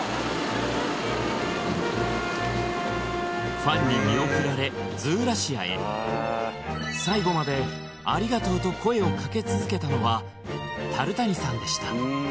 ファンに見送られズーラシアへ最後まで「ありがとう」と声をかけ続けたのは樽谷さんでした